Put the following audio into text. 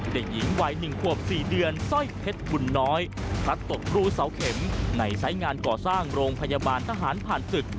ผู้หญิงไว๑ควบ๔เดือนซ่อยเพชรบุ่นน้อยพัดตกรูเสาเข็มในทรายงานก่อสร้างโรงพยาบาลทหารผ่านศึก